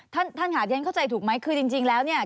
อ๋อท่านหาดยังเข้าใจถูกไหมคือจริงแล้วเนี่ย